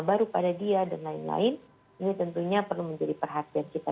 baru pada dia dan lain lain ini tentunya perlu menjadi perhatian kita